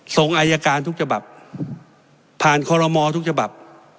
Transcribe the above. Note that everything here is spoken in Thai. ส่งอายการทุกฉบับผ่านคอลโมทุกฉบับ